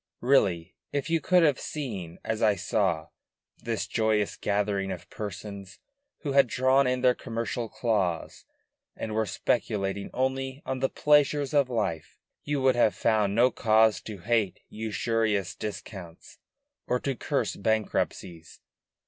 Really, if you could have seen, as I saw, this joyous gathering of persons who had drawn in their commercial claws, and were speculating only on the pleasures of life, you would have found no cause to hate usurious discounts, or to curse bankruptcies.